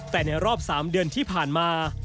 แต่ในรอบ๓เดือนที่ผ่านมา